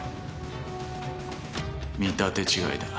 見立て違いだ。